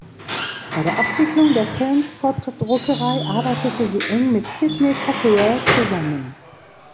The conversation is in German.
Bei der Abwicklung der Kelmscott Druckerei arbeitete sie eng mit Sydney Cockerell zusammen.